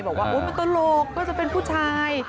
บอกว่ามันตลกก็จะเป็นผู้ชาย